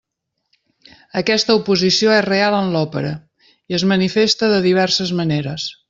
Aquesta oposició és real en l'òpera i es manifesta de diverses maneres.